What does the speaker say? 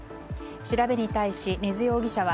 調べに対し根津容疑者は